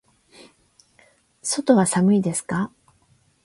外は寒いですか。